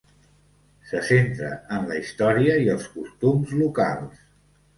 Se centra en la història i els costums locals.